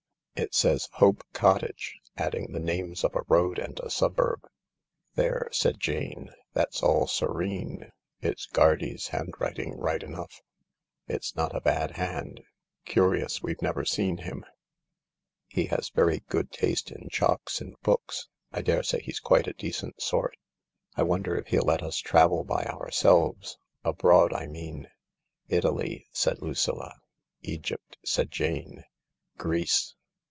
It said " Hope Cottage," adding the names of a road and a suburb. "There," said Jane, "that's all serene. It's Guardy's handwriting right enough. It's not a bad hand. Curious THE LARK 29 we've never seen him. He had very good taste in chocs, and books. I daresay he's quite a decent sort. I wonder if he'll let us travel by ourselves ? Abroad, I mean ?" "Italy," said Lucilla. "Egypt," said Jane, "Greece."